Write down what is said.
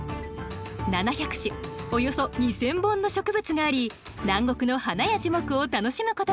７００種およそ２，０００本の植物があり南国の花や樹木を楽しむことができます